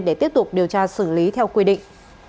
để tiếp tục điều tra xử lý theo quy định